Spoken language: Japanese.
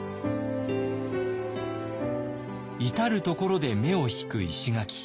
至る所で目を引く石垣。